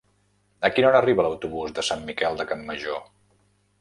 A quina hora arriba l'autobús de Sant Miquel de Campmajor?